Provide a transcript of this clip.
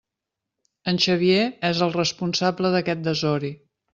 En Xavier és el responsable d'aquest desori!